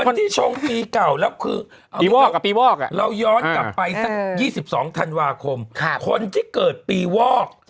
คนที่ชงปีเก่าแล้วคือปีวอกเราย้อนกลับไปสัก๒๒ธันวาคมคนที่เกิดปีวอก